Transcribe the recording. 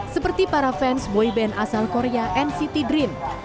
seperti para fans boyband asal korea nct dream